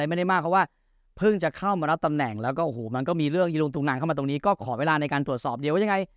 อะไรไม่ได้มากเพราะว่าพึ่งจะเข้ามาแล้วตะแหน่งแล้วก็ในตรงนี้ก็ขอเวลาในการตรวจสอบเดียวว่าไง